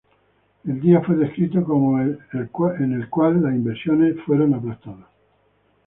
El día fue descrito como el en el cual las inversiones fueron aplastadas.